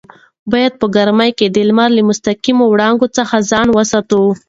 باید په ګرمۍ کې د لمر له مستقیمو وړانګو څخه ځان وساتو.